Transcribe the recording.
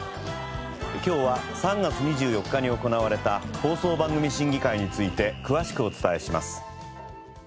今日は３月２４日に行われた放送番組審議会について詳しくお伝えします。